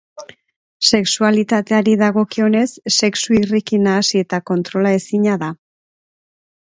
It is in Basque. Sexualitatearen dagokionez, sexu-irriki nahasi eta kontrola ezina da.